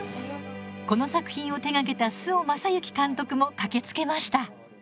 この作品を手がけた周防正行監督も駆けつけました。